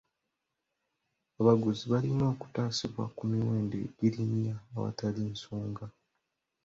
Abaguzi balina okutaasibwa ku miwendo egirinnya awatali nsonga.